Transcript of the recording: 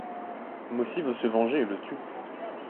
Mossy veut se venger et le tue.